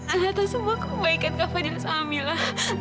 atas semua kebaikan kak fadil sama kamila